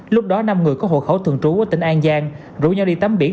lúc đó năm người có hộ khẩu thường trú ở tỉnh an giang rủ nhau đi tắm biển